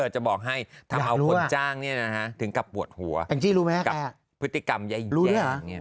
จะบอกให้ทำเอาคนจ้างเนี่ยนะฮะถึงกับปวดหัวกับพฤติกรรมแย่อย่างนี้